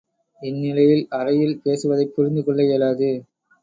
இந்நிலையில் அறையில் பேசுவதைப் புரிந்து கொள்ள இயலாது.